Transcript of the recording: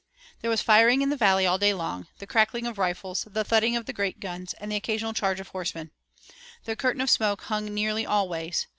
There was firing in the valley all day long, the crackling of the rifles, the thudding of the great guns, and the occasional charge of horsemen. The curtain of smoke hung nearly always.